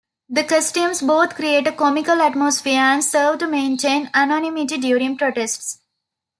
The costumes both create a comical atmosphere and serve to maintain anonymity during protests.